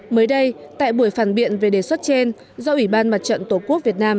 mới đây tại buổi phản biện về đề xuất trên do ủy ban mặt trận tổ quốc việt nam